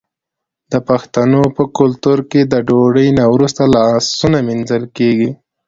د پښتنو په کلتور کې د ډوډۍ نه وروسته لاسونه مینځل کیږي.